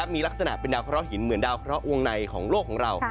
มีลักษณะเป็นดาวเคราะหินเหมือนดาวเคราะห์วงในของโลกของเรา